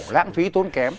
gãn phí tốn kém